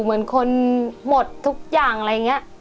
เหมือนคนหมดทุกอย่างอะไรอย่างนี้